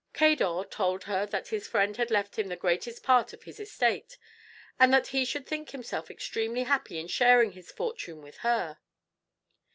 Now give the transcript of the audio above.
Cador told her that his friend had left him the greatest part of his estate; and that he should think himself extremely happy in sharing his fortune with her.